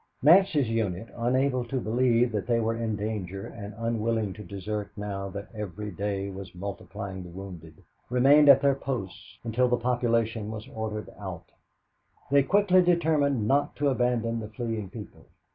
Nancy's unit, unable to believe that they were in danger and unwilling to desert now that every day was multiplying the wounded, remained at their posts until the population was ordered out. They quickly determined not to abandon the fleeing people.